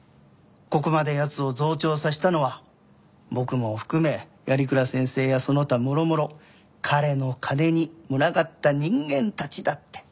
ここまで奴を増長させたのは僕も含め鑓鞍先生やその他もろもろ彼の金に群がった人間たちだって。